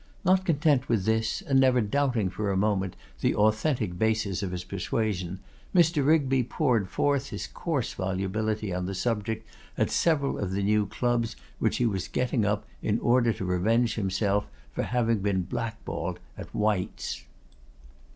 Not content with this, and never doubting for a moment the authentic basis of his persuasion, Mr. Rigby poured forth his coarse volubility on the subject at several of the new clubs which he was getting up in order to revenge himself for having been black balled at White's.